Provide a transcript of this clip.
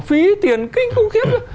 phí tiền kinh khủng khiếp